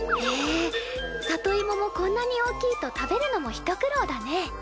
へえ里芋もこんなに大きいと食べるのも一苦労だね。